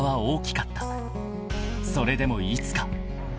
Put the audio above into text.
［それでもいつか］